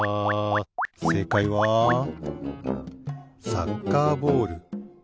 せいかいはサッカーボール。